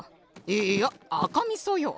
いやあかみそよ。